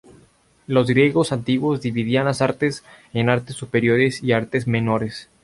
Los griegos antiguos dividían las artes en artes superiores y artes menores.